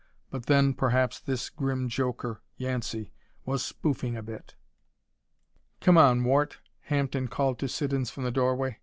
But then, perhaps this grim joker, Yancey, was spoofing a bit. "Come on, Wart," Hampden called to Siddons from the doorway.